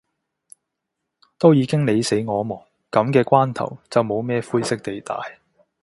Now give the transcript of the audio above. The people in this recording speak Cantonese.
都已經你死我亡，噉嘅關頭，就冇咩灰色地帶